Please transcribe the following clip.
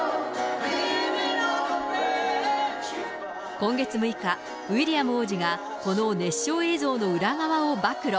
今月６日、ウィリアム王子がこの熱唱映像の裏側を暴露。